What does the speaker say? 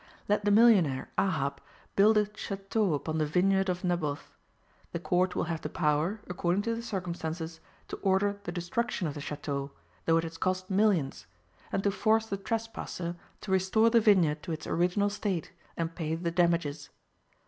Let the millionaire, Ahab, build a chateau upon the vineyard of Naboth: the court will have the power, according to the circumstances, to order the destruction of the chateau, though it has cost millions; and to force the trespasser to restore the vineyard to its original state, and pay the damages.